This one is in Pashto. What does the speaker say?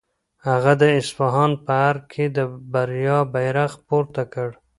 هغه د اصفهان په ارګ کې د بریا بیرغ پورته کړ.